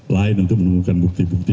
lain untuk menemukan bukti bukti